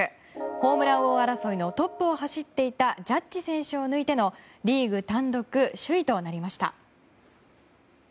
ホームラン王争いのトップを走っていたジャッジ選手を抜いてのリーグ単独首位となりました。